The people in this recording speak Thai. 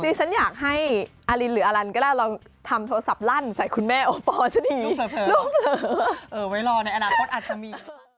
ดิฉันอยากให้อลินหรืออลันก็ได้ลองทำโทรศัพท์ลั่นใส่คุณแม่โอปอล์ซะดี